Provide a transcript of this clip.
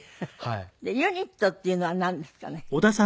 でユニットっていうのはなんですかね？